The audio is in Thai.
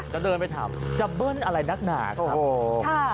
จะเดินไปถามจะเบิ้ลอะไรนักหนาครับ